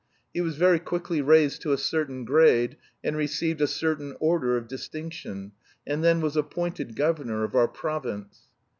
He was very quickly raised to a certain grade and received a certain order of distinction, and then was appointed governor of our province.